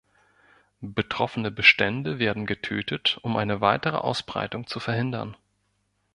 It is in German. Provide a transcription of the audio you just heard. Betroffene Bestände werden getötet, um eine weitere Ausbreitung zu verhindern.